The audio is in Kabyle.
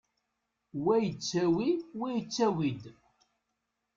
Wa yettawi, wa yettawi-d.